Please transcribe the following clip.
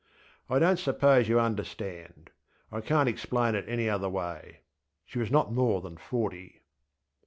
I donŌĆÖt suppose you understand. I canŌĆÖt explain it any other way. She was not more than forty.